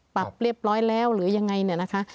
ปรับเรียบร้อยแล้วหรือยังไงเนี่ยนะคะ